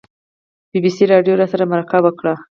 بي بي سي راډیو راسره مرکه وکړه.